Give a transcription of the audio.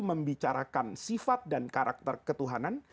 membicarakan sifat dan karakter ketuhanan